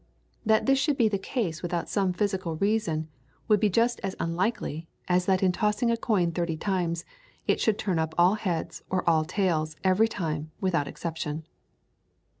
That this should be the case without some physical reason would be just as unlikely as that in tossing a coin thirty times it should turn up all heads or all tails every time without exception.